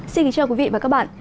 xin kính chào quý vị và các bạn